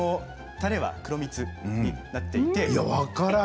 たれは黒蜜になっていて。